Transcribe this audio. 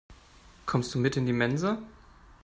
Kommst du mit in die Mensa?